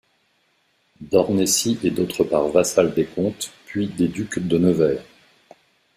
Dornecy et d'autre part vassal des comtes, puis des ducs de Nevers.